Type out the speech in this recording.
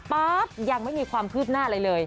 ป๊าบยังไม่มีความคืบหน้าอะไรเลย